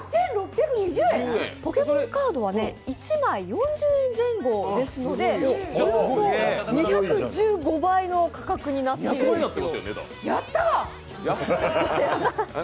ポケモンカードは１枚４０円前後なのでおよそ２１５倍の価格になっているんですよ。